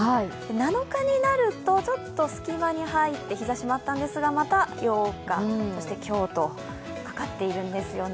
７日になると、ちょっと隙間に入って、日ざしもあったんですがまた８日、今日と、かかっているんですよね。